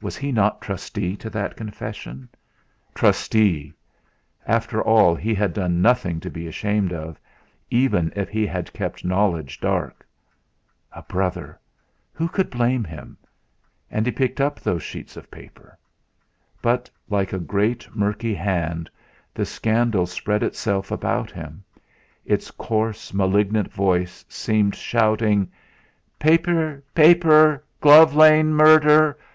Was he not trustee to that confession! Trustee! After all he had done nothing to be ashamed of, even if he had kept knowledge dark. A brother! Who could blame him? And he picked up those sheets of paper. But, like a great murky hand, the scandal spread itself about him; its coarse malignant voice seemed shouting: "Paiper!... Paiper!... Glove Lane Murder!...